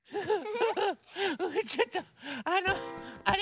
ちょっとあのあれ？